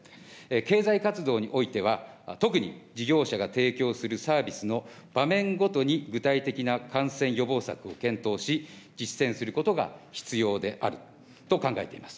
経済活動においては、特に事業者が提供するサービスの場面ごとに具体的な感染予防策を検討し、実践することが必要であると考えています。